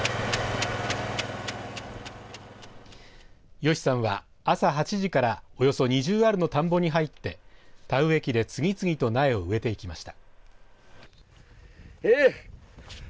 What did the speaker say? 吉さんは朝８時からおよそ２０アールの田んぼに入って田植え機で次々と苗を植えていきました。